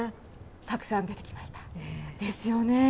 たくさん出てきました。ですよね。